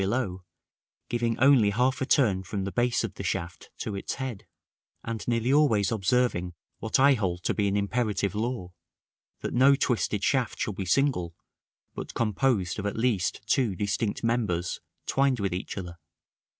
below, giving only half a turn from the base of the shaft to its head, and nearly always observing what I hold to be an imperative law, that no twisted shaft shall be single, but composed of at least two distinct members, twined with each other.